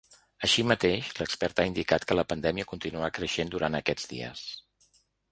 Així mateix, l’expert ha indicat que la pandèmia continuarà creixent durant aquests dies.